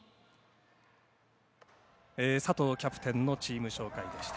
佐藤キャプテンのチーム紹介でした。